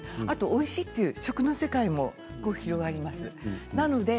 あとは、おいしいという食の世界の広がります。